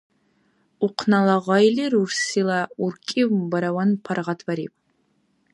Ухънала гъайли рурсила уркӀи бараван паргъатбариб.